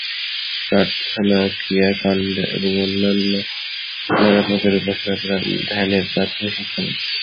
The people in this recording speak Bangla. প্রার্থনা, ক্রিয়াকাণ্ড এবং অন্যান্য নানাপ্রকার উপাসনা ধ্যানের প্রাথমিক শিক্ষা মাত্র।